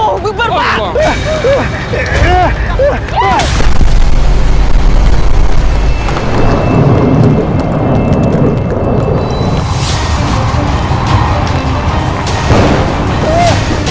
astaghfirullahaladzim allah wabarakatuh